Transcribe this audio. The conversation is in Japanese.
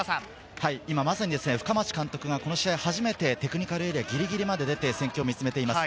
今まさに深町監督が、この試合初めてテクニカルエリアのギリギリまで出て、戦況を見つめています。